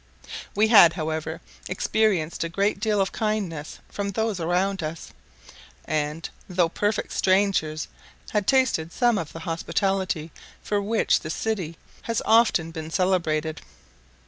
We had, however, experienced a great deal of kindness from those around us, and, though perfect strangers, had tasted some of the hospitality for which this city has often been celebrated.